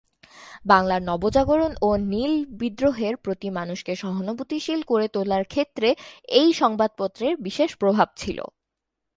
বাংলার নবজাগরণ ও নীল বিদ্রোহের প্রতি মানুষকে সহানুভূতিশীল করে তোলার ক্ষেত্রে এই সংবাদপত্রের বিশেষ প্রভাব ছিল।